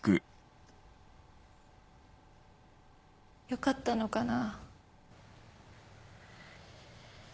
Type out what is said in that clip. よかったのかな？